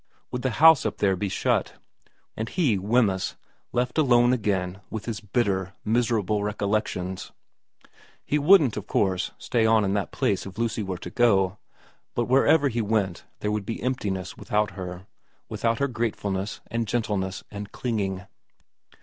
Would the house up there be shut, and he, Wemyss, left alone again with his bitter, miserable recollections ? He wouldn't, of course, stay on in that place if Lucy were to go, but wherever he went there would be emptiness without her, without her gratefulness, and gentleness, and clinging.